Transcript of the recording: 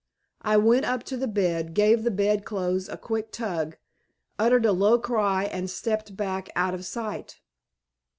I went up to the bed, gave the Bed clothes a quick tug, uttered a low cry and stepped back out of sight.